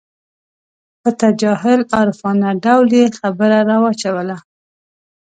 په تجاهل عارفانه ډول یې خبره راواچوله.